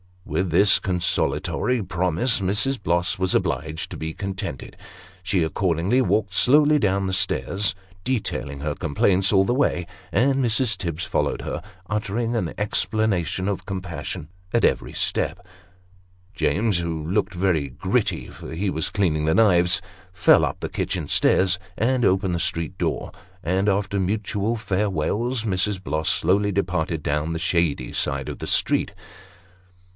With this consolatory promise Mrs. Bloss was obliged to be contented. She accordingly walked slowly down the stairs, detailing her complaints all the way; and Mrs. Tibbs followed her, uttering an exclamation of compassion at every step. James (who looked very gritty, for he was cleaning the knives) fell up the kitchen stairs, and opened the street door; and, after mutual farewells, Mrs. Bloss slowly departed, down the shady side of the street.